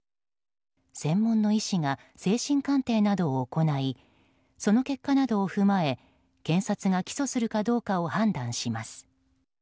専門の医師が精神鑑定などを行いその結果などを踏まえ検察が起訴するかどうかを判断します。